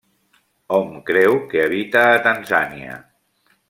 Hom creu que habita a Tanzània.